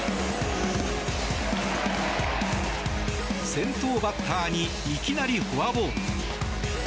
先頭バッターにいきなりフォアボール。